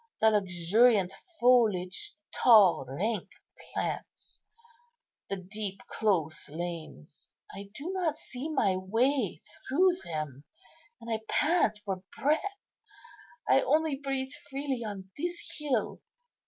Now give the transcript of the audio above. The luxuriant foliage, the tall, rank plants, the deep, close lanes, I do not see my way through them, and I pant for breath. I only breathe freely on this hill.